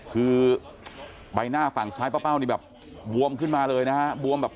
คือใบหน้าฝั่งซ้ายป้าเป้านี่แบบบวมขึ้นมาเลยนะฮะบวมแบบ